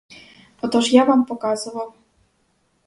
Отож я вам показував.